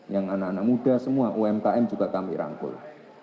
yang anak anak muda semua umkm juga kami rangkul